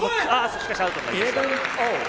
しかし、アウトになりました。